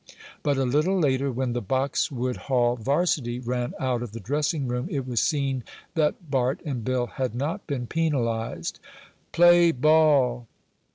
But a little later when the Boxwood Hall varsity ran out of the dressing room it was seen that Bart and Bill had not been penalized. "Play ball!"